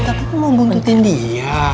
gimana sih tapi aku mau hubungin dia